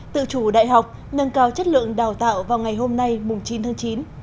tự chủ đại học nâng cao chất lượng đào tạo vào ngày hôm nay chín tháng chín